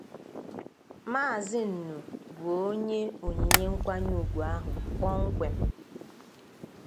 Maazị Nnubuonye onyinye nkwanyeùgwù ahụ kpọmkwem